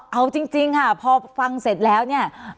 เอาจริงค่ะพอฟังเสร็จแล้วเนี่ย